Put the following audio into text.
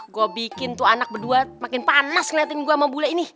gue bikin tuh anak berdua makin panas ngeliatin gue sama bule ini